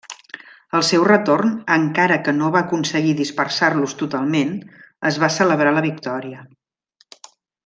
Al seu retorn, encara que no va aconseguir dispersar-los totalment, es va celebrar la victòria.